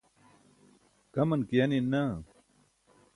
kaman ke yanin naa.